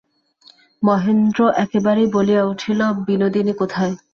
মহেন্দ্র একেবারেই বলিয়া উঠিল, বিনোদিনী কোথায়।